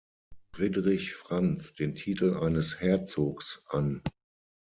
Friedrich Franz den Titel eines Herzogs an.